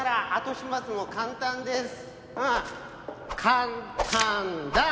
簡単だ！